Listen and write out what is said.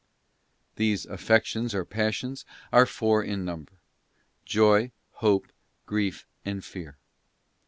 These affections or Passions are four in number :—Joy, Hope, Grief, and Fear.